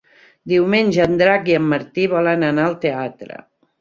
Diumenge en Drac i en Martí volen anar al teatre.